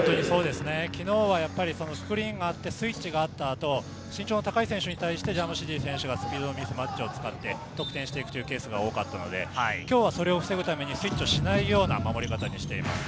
昨日はスクリーンがあって、スイッチがあった後、身長の高い選手に対してジャムシディ選手がスピードのミスマッチを使って得点していくケースが多かったので、今日はそれを防ぐためにスイッチしないような守り方をしています。